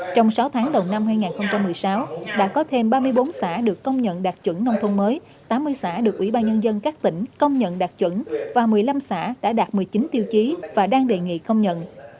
trong sáu tháng đầu năm hai nghìn một mươi sáu đã có thêm ba mươi bốn xã được công nhận đạt chuẩn nông thôn mới tám mươi xã được ủy ban nhân dân các tỉnh công nhận đạt chuẩn và một mươi năm xã đã đạt một mươi chín tiêu chí và đang đề nghị công nhận